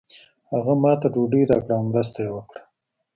هغه ماته ډوډۍ راکړه او مرسته یې وکړه.